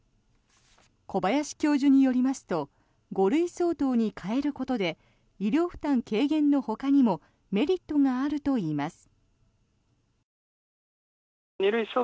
小林教授によりますと５類相当に変えることで医療負担軽減のほかにもメリットがあるといいます。